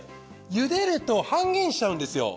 ゆでると半減しちゃうんですよ。